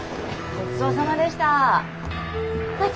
ごちそうさんでした。